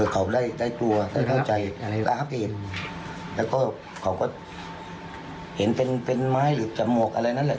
เขาก็เห็นเป็นไม้หรือจำหมวกอะไรนั่นแหละ